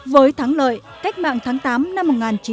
với thắng lợi cách mạng tháng tám năm một nghìn chín trăm bốn mươi năm